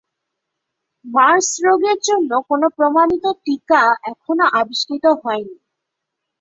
Mars রোগের জন্য কোনো প্রমাণিত টিকা এখনো আবিষ্কৃত হয়নি।